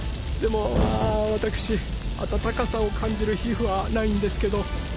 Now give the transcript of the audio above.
でもまあ私温かさを感じる皮膚はないんですけど。